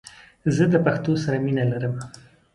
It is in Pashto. زه د پښتو سره مینه لرم🇦🇫❤️